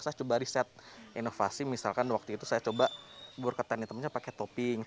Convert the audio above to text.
saya coba riset inovasi misalkan waktu itu saya coba bubur ketan hitamnya pakai topping